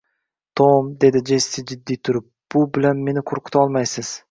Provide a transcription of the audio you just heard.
Tom, dedi Jessi jiddiy turib, bu bilan meni qo`rqitolmaysiz